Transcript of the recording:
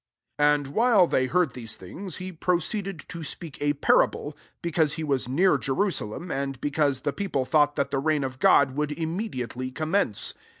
11 And while they heard these things, he proceeded to speak a parable ; because he was near Jerusalem, and be cause the peofile thought that the reign of God would imme diately commence.